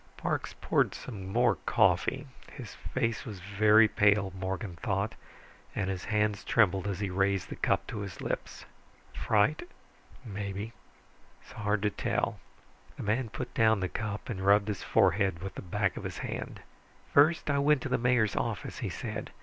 Parks poured some more coffee. His face was very pale, Morgan thought, and his hands trembled as he raised the cup to his lips. Fright? Maybe. Hard to tell. The man put down the cup and rubbed his forehead with the back of his hand. "First, I went to the mayor's office," he said.